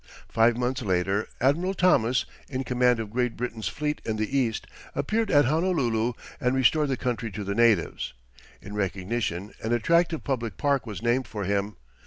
Five months later, Admiral Thomas, in command of Great Britain's fleet in the East, appeared at Honolulu and restored the country to the natives. In recognition, an attractive public park was named for him.